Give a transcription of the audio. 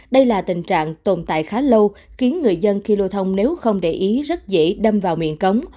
đây là tình trạng tồn tại khá lâu khiến người dân khi lưu thông nếu không để ý rất dễ đâm vào miệng cống